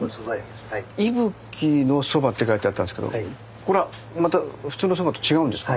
伊吹のそばって書いてあったんですけどこれはまた普通のそばと違うんですか？